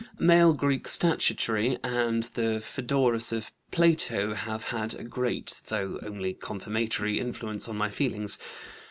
"Male Greek statuary and the Phoedrus of Plato have had a great, though only confirmatory, influence on my feelings.